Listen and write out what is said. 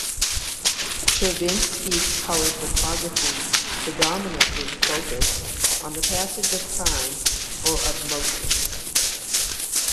Cherivinsky’s color photography predominantly focused on the passage of time or of motion.